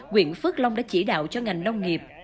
quyện phước long đã chỉ đạo cho ngành nông nghiệp